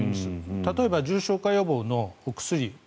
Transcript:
例えば、重症化予防のお薬。